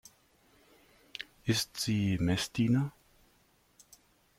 Ist sie Messdiener?